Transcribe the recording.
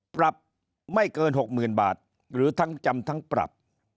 ปรับไม่เกิน๖๐๐๐บาทหรือทั้งจำทั้งปรับ